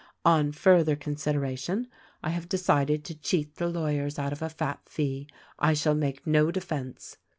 On further consideration I have decided to cheat the lawyers out of a fat fee ; I shall make no defense.'